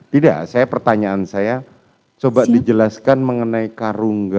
tidak pertanyaan saya coba dijelaskan mengenai karungga